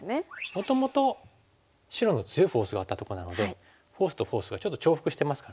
もともと白の強いフォースがあったとこなのでフォースとフォースがちょっと重複してますからね。